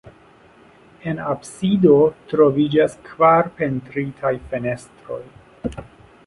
En absido troviĝas kvar pentritaj fenestroj.